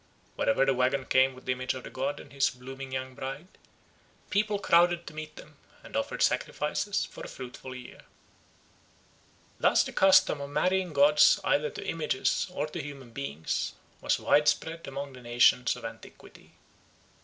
Wherever the waggon came with the image of the god and his blooming young bride, the people crowded to meet them and offered sacrifices for a fruitful year. Thus the custom of marrying gods either to images or to human beings was widespread among the nations of antiquity.